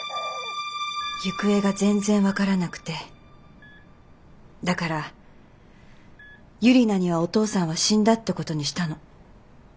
行方が全然分からなくてだからユリナにはお父さんは死んだってことにしたの。